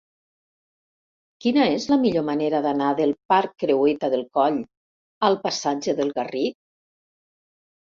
Quina és la millor manera d'anar del parc Creueta del Coll al passatge del Garric?